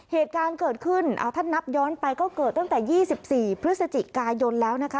เหตุการณ์เกิดขึ้นเอาถ้านับย้อนไปก็เกิดตั้งแต่๒๔พฤศจิกายนแล้วนะคะ